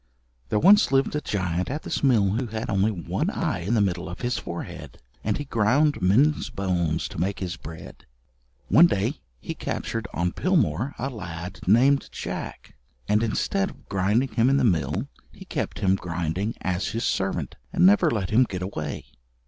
There once lived a giant at this mill who had only one eye in the middle of his forehead, and he ground men's bones to make his bread. One day he captured on Pilmoor a lad named Jack, and instead of grinding him in the mill he kept him grinding as his servant, and never let him get away.